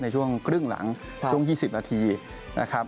ในช่วงครึ่งหลังช่วง๒๐นาทีนะครับ